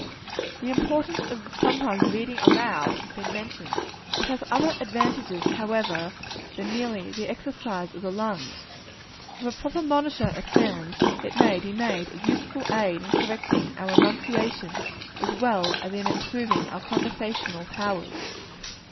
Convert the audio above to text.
The importance of sometimes reading aloud, has been mentioned. It has other advantages, however, than merely the exercise of the lungs. With a proper monitor at hand, it may be made a useful aid in correcting our enunciation, as well as in improving our conversational powers.